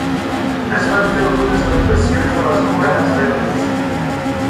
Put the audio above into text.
Es van fer algunes adaptacions de les novel·les de Creasey.